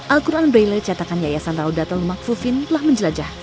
al quran brele cetakan yayasan raudatal makfufin telah menjelajah